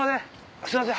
すいません。